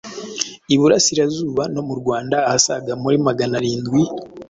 Iburasirazuba no mu Rwanda, ahasaga muwa maganarindwi,